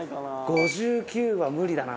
５９は無理だな。